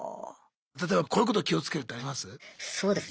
例えばこういうこと気をつけるってあります？